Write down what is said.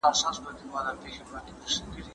ما باید نن د خپلې خور لپاره نوي کالي اخیستي وای.